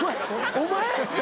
お前？